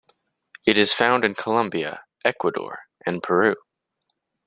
It is found in Colombia, Ecuador and Peru.